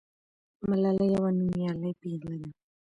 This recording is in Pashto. ملالۍ یوه نومیالۍ پیغله ده.